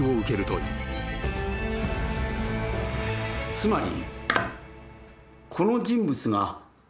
つまり。